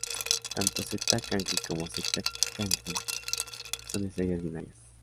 Tanto Zeta Cancri como Zeta Cancri son estrellas binarias.